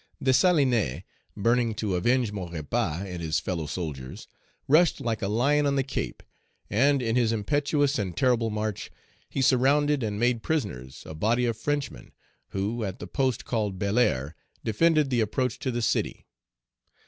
Dessalines, burning to avenge Maurepas and his fellow soldiers, rushed like a lion on the Cape, and, in his impetuous and terrible march, he surrounded and made prisoners a body of Frenchmen, who, at the post called Belair, defended the approach to the city.